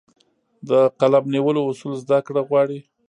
د قلم نیولو اصول زده کړه غواړي.